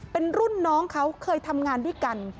เป็นรุ่นน้องเขาเคยทำงานด้วยกัน